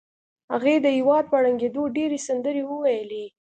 هغې د هېواد په ړنګېدو ډېرې سندرې وویلې